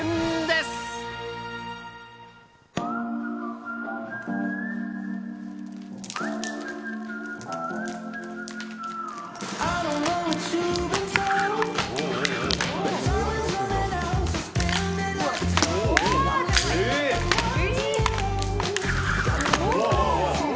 すごい！